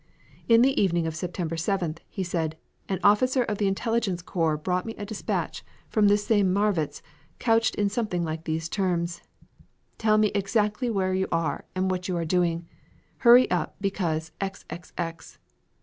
"In the evening of September 9th," he said, "an officer of the intelligence corps brought me a dispatch from this same Marwitz couched in something like these terms: 'Tell me exactly where you are and what you are doing. Hurry up, because XXX.'